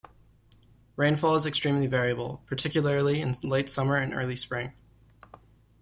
Rainfall is extremely variable, particularly in late summer and early spring.